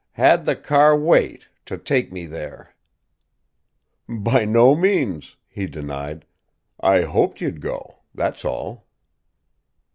"Had the car wait to take me there!" "By no means," he denied. "I hoped you'd go that's all."